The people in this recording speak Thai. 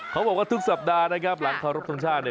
เขาบอกว่าทุกสัปดาห์นะครับหลังเคารพทรงชาติ